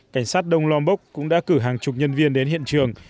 cảnh sát đông long bốc cũng đã cử hàng chục nhân viên đến hiện trường